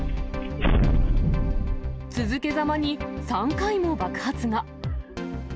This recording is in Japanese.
続けざまに３回も爆発が。